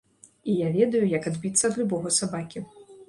І я ведаю, як адбіцца ад любога сабакі.